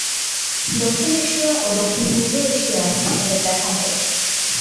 দক্ষিণ এশিয়া ও দক্ষিণ-পূর্ব এশিয়ায় এদের দেখা মেলে।